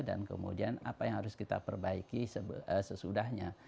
dan kemudian apa yang harus kita perbaiki sesudahnya